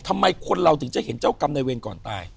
ทำไมคนเราถึงจะเห็นเจ้ากรรมในเวรก่อนตาย